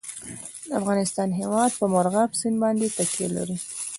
د افغانستان هیواد په مورغاب سیند باندې تکیه لري.